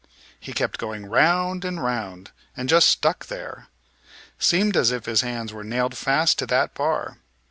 He kept going round and round, and just stuck there. Seemed as if his hands were nailed fast to that bar.